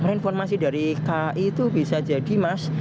karena informasi dari kai itu bisa jadi mas